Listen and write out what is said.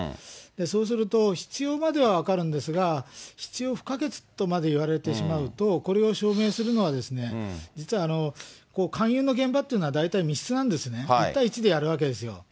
そうすると、必要までは分かるんですが、必要不可欠とまで言われてしまうと、これを証明するのは実は勧誘の現場っていうのは、大体密室なんですね、一対一でやるわけですよ。